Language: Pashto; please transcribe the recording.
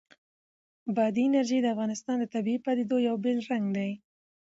بادي انرژي د افغانستان د طبیعي پدیدو یو بېل رنګ دی.